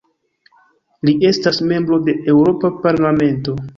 Li estas membro de Eŭropa parlamento.